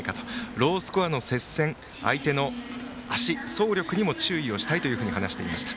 ロースコアの接戦相手の足、走力にも注意をしたいと話していました。